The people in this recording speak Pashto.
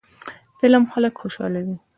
فلم خلک خوشحالوي